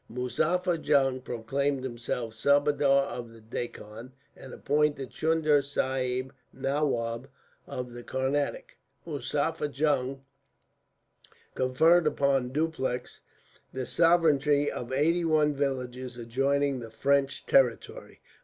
"Muzaffar Jung proclaimed himself Subadar of the Deccan, and appointed Chunda Sahib Nawab of the Carnatic. Muzaffar Jung conferred upon Dupleix the sovereignty of eighty one villages adjoining the French territory.